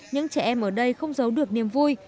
những trẻ em ở đây không giấu được niềm vui